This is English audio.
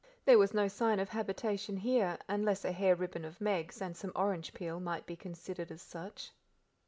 There was no sign of habitation here, unless a hair ribbon of Meg's and some orange peel, might be considered as such.